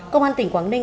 công an tỉnh quảng ninh